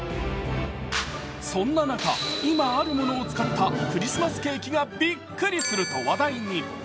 そんな中、今あるものを使ったクリスマスケーキがびっくりすると話題に。